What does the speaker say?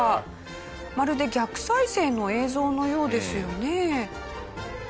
まるで逆再生の映像のようですよね。